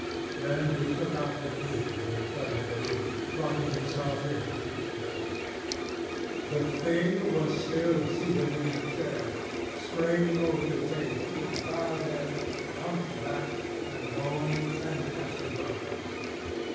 Then he took out the key and returned to the room, locking himself in as he did so. The thing was still seated in the chair, straining over the table with bowed head, and humped back, and long fantastic arms.